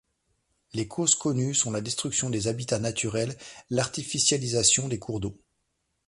Les causes connues sont la destruction des habitats naturels, l'artificialisation des cours d'eau.